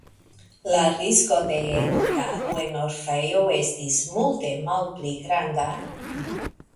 La risko de edukado en orfejo estis multe malpli granda".